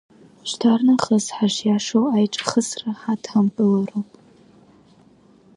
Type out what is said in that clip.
Ушьҭарнахыс ҳашиашоу аиҿахысра ҳадҳамкылароуп.